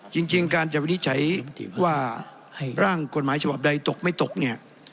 จริงการจะวินิจฉัยว่าร่างกฎหมายฉบับใดตกไม่ตกเนี่ย